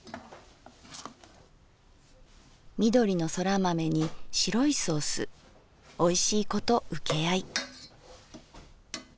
「緑のそら豆に白いソースおいしいこと請合い」。